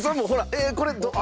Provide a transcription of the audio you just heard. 「えっ？これ」。